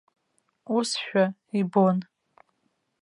Усшәа ибон.